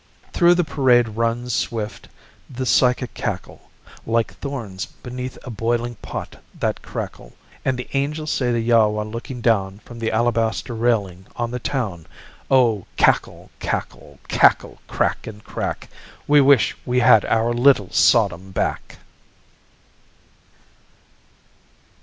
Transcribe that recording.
Through the parade runs swift the psychic cackle Like thorns beneath a boiling pot that crackle. And the angels say to Yahveh looking down From the alabaster railing, on the town, O, cackle, cackle, cackle, crack and crack We wish we had our little Sodom back!